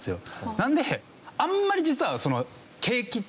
なのであんまり実はその景気